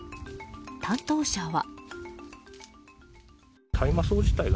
担当者は。